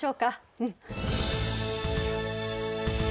うん。